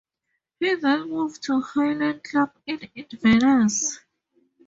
He then moved to Highland club in Inverness.